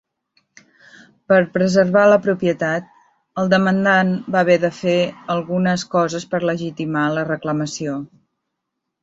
Per preservar la propietat, el demandant va haver de fer algunes coses per legitimar la reclamació.